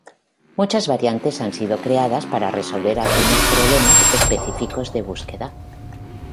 Muchas variantes han sido creadas para resolver algunos problemas específicos de búsqueda.